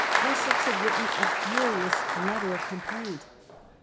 Essex had written a furious letter of complaint.